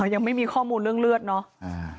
ยังไม่มีข้อมูลเรื่องเลือดเนาะ